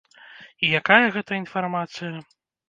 І якая гэта інфармацыя?